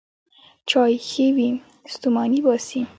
چای ښې وې، ستوماني باسي.